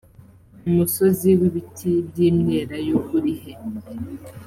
umusozi w ibiti by imyelayo urihe